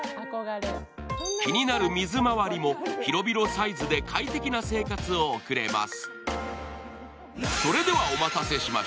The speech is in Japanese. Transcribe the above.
気になる水まわりも広々サイズで快適な生活を送れます。